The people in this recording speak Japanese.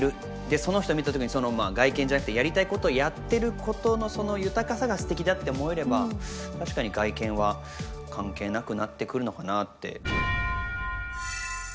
その人を見た時にその外見じゃなくてやりたいことをやってることのその豊かさがすてきだって思えれば確かに外見は関係なくなってくるのかなって。